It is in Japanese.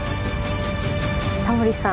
タモリさん